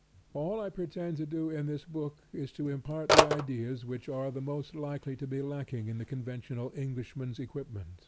All I pretend to do in this book is to impart the ideas which are most likely to be lacking in the conventional Englishman's equipment.